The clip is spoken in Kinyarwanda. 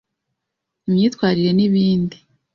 imyitwarire n’ibindi;